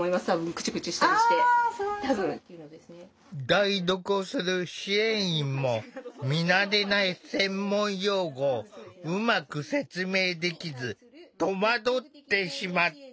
代読をする支援員も見慣れない専門用語をうまく説明できず戸惑ってしまった。